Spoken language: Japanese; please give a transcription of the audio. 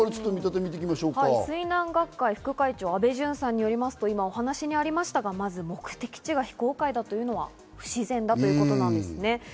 水難学会副会長・安倍淳さんによりますと、話にありましたように目的地が非公開というのは不自然だということなんですね。